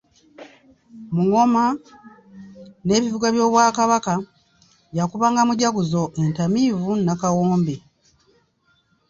Mu ngoma n'ebivuga eby'Obwakabaka, yakubanga Mujaguzo, Entamiivu Nakawombe.